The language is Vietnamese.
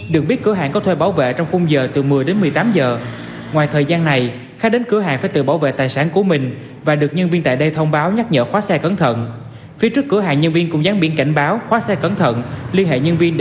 được nghe những bài hát về chú cuội chị hằng